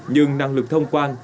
nhưng năng lực thông quan